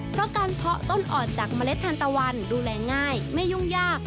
เพราะการเพาะต้นอ่อนจากเมล็ดทันตะวันดูแลง่ายไม่ยุ่งยาก